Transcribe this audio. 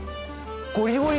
ゴリゴリ。